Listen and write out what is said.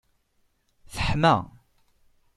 Teḥma.